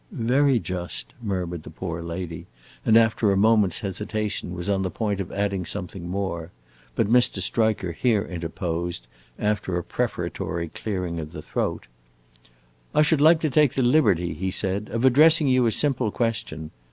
"Very just," murmured the poor lady, and after a moment's hesitation was on the point of adding something more; but Mr. Striker here interposed, after a prefatory clearance of the throat. "I should like to take the liberty," he said, "of addressing you a simple question.